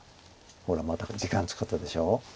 ほらまた時間使ったでしょ。